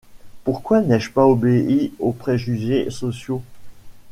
Pourquoi n’ai-je pas obéi aux préjugés sociaux?